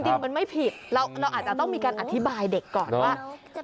จริงมันไม่ผิดเราอาจจะต้องมีการอธิบายเด็กก่อนว่า